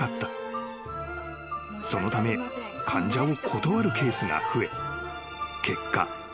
［そのため患者を断るケースが増え結果